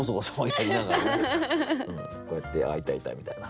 こうやって「あっいたいた」みたいな。